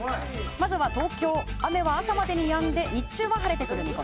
まず東京、雨は朝までにやんで日中は晴れてきます。